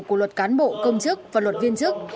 của luật cán bộ công chức và luật viên chức